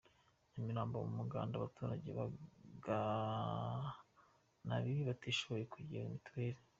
Nyamirambo Mu muganda, abaturage maganabiri batishoboye baguriwe Mitiweli